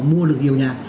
mua được nhiều nhà